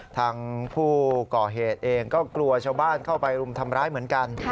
ทางผู้ก่อเหตุเองก็กลัวชาวบ้านเข้าไปรุมทำร้ายเหมือนกัน